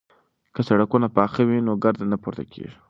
که سړکونه پاخه وي نو ګرد نه پورته کیږي.